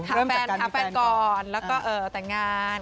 ถ้าเป็นแฟนก่อนแล้วก็ตัดงาน